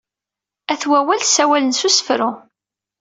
At wawal ssawalen s usefru.